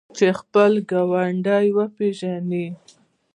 چې خپل ګاونډی وپیژني.